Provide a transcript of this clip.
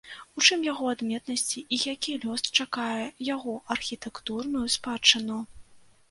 У чым яго адметнасці і які лёс чакае яго архітэктурную спадчыну?